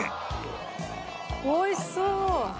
おいしそう！